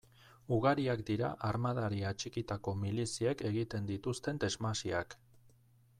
Ugariak dira armadari atxikitako miliziek egiten dituzten desmasiak.